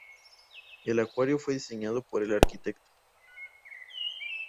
El acuario fue diseñado por el Arq.